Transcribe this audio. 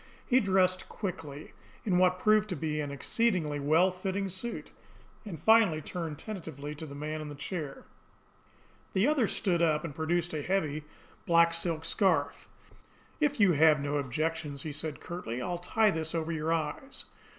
He dressed quickly, in what proved to be an exceedingly well fitting suit; and finally turned tentatively to the man in the chair. The other stood up, and produced a heavy black silk scarf. "If you have no objections," he said curtly, "I'll tie this over your eyes."